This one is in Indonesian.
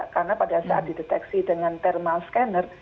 karena pada saat dideteksi dengan thermal scanner